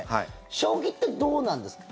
将棋ってどうなんですか？